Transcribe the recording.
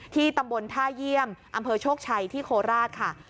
ที่ตำบลท่าเยี่ยมอโชคชัยที่โคราชค่ะ